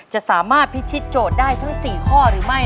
จะสามารถพิธีโจทย์ได้ทั้ง๔ข้อหรือไม่